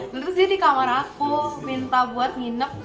terus dia di kamar aku minta buat nginep